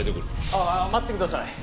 ああ待ってください。